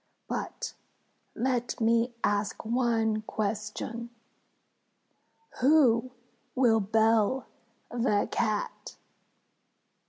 But let me ask one question: Who will bell the Cat?"